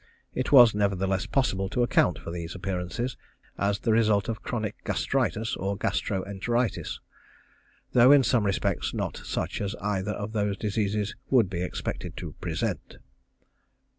It was nevertheless possible to account for these appearances, as the result of chronic gastritis, or gastro enteritis, though in some respects not such as either of those diseases would be expected to present.